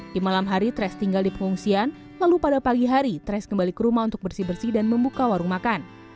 di malam hari tres tinggal di pengungsian lalu pada pagi hari tres kembali ke rumah untuk bersih bersih dan membuka warung makan